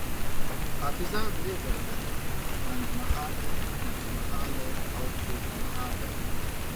حافظه دری ډولونه لري: لنډمهاله، منځمهاله او اوږدمهاله